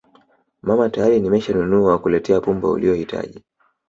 mama tayari nimeshanunua kuletea pumba uliyohitaji